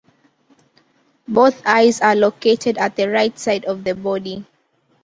Both eyes are located at the right side of the body.